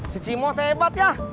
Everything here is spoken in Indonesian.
si cimo tebat ya